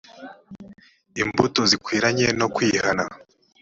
imbuto zikwiranye no kwihana